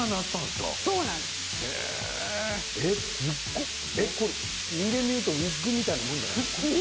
すごい！人間で言うとウイッグみたいなもんじゃないの？